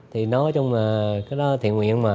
thì nói chung là cái đó thiện nguyện mà